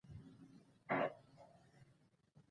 ورور ته دعاوې کوې.